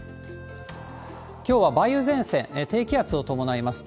きょうは梅雨前線、低気圧を伴います。